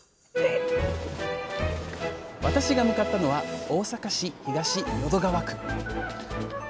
私が向かったのは大阪市東淀川区。